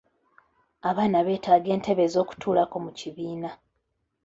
Abaana beetaaga entebe ez'okutuulako mu kibiina.